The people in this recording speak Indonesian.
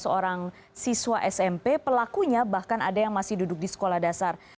seorang siswa smp pelakunya bahkan ada yang masih duduk di sekolah dasar